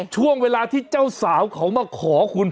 ช่วงเวลาที่เจ้าสาวเขามาขอคุณ